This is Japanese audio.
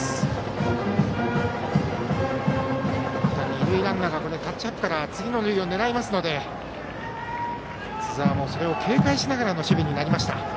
二塁ランナーがタッチアップから次の塁を狙いますので津澤もそれを警戒しながらの守備になりました。